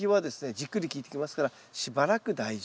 じっくり効いてきますからしばらく大丈夫だということですね。